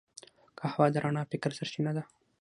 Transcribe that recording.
قهوه د رڼا فکر سرچینه ده